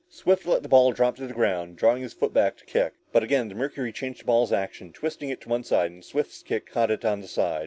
Swift let the ball drop to the ground, drawing his foot back to kick. But again, the mercury changed the ball's action, twisting it to one side and Swift's kick caught it on the side.